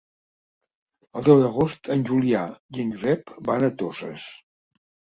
El deu d'agost en Julià i en Josep van a Toses.